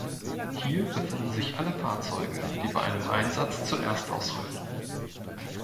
Hier befinden sich alle Fahrzeuge, die bei einem Einsatz zuerst ausrücken.